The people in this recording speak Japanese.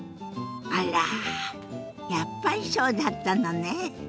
あらやっぱりそうだったのね。